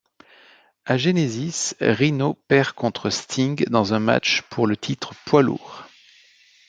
À Genesis, Rhino perd contre Sting dans un match pour le titre poids-lourd.